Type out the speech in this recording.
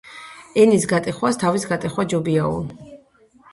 ენის გატეხვას თავის გატეხვა ჯობია